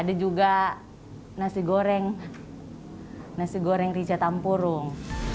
ada juga nasi goreng nasi goreng tijatampurung